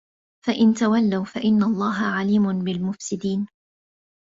فَإِنْ تَوَلَّوْا فَإِنَّ اللَّهَ عَلِيمٌ بِالْمُفْسِدِينَ